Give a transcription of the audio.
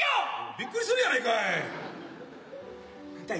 びっくりするやないかい。